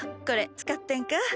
これ使ってんか。